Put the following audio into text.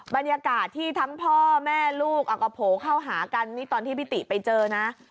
บรรยากาศที่ทั้งพ่อแม่ลูกเอาก็โผล่เข้าหากันนี่ตอนที่พี่ติไปเจอนะ